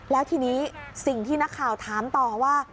แล้วทีนี้สิ่งที่นักข่าวถามต่อว่า